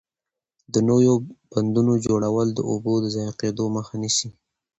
د نويو بندونو جوړول د اوبو د ضایع کېدو مخه نیسي.